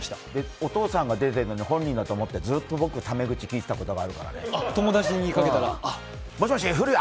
お父さんが出てるのに本人だと思って、僕ずーっとタメ口きいてたことあるよ。